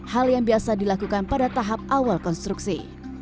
hal yang biasa dilakukan pada tahap awal konstruksi